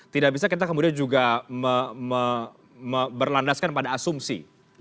tidak bisa kita kemudian juga berlandaskan pada asumsi